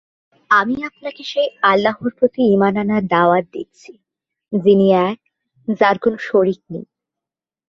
আমি আপনাকে সেই আল্লাহর প্রতি ঈমান আনার দাওয়াত দিচ্ছি যিনি এক, যার কোন শরীক নেই।